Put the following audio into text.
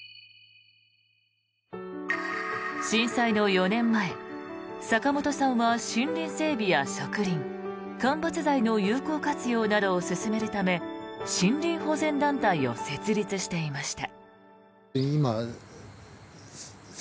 震災の４年前、坂本さんは森林整備や植林間伐材の有効活用などを進めるため森林保全団体を設立していました。